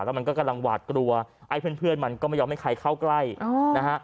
แล้วมันก็กำลังหวาดกลัวไอ้เพื่อนมันก็ไม่ยอมให้ใครเข้าใกล้นะฮะ